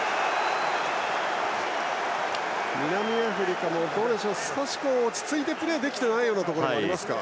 南アフリカも少し落ち着いてプレーできていないところもありますか。